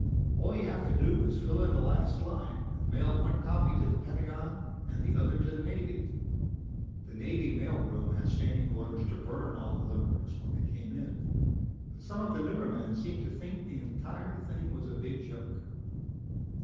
All you have to do is fill in the last line, and mail one copy to the Pentagon and the other to the Navy ..." The Naval mail room had standing orders to burn all the limericks when they came in, but some of the newer men seemed to think the entire thing was a big joke.